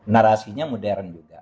narasinya modern juga